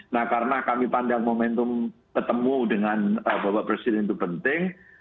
nah karena kami pandang momentum ketemu dengan bapak presiden itu penting